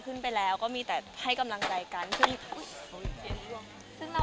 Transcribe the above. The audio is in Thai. เขามาให้กำลังใจเรา